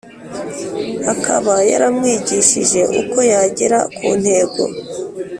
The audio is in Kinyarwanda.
akaba yaramwigishije uko yagera ku ntego.